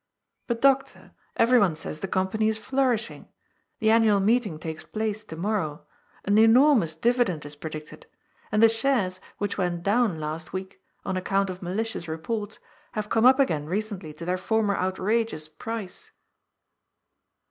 But, Doctor, everyone says the company is flourishing. The annual meeting takes place to morrow. An enormous dividend is predicted. And the shares, which went down last week, on account of malicious reports, have come up again recently to their former out rageous price."